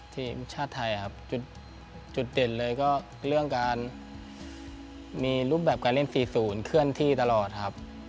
ทีมชาติไทยครับจุดเด่นเลยก็เรื่องการมีรูปแบบการเล่น๔๐เคลื่อนที่ตลอดครับ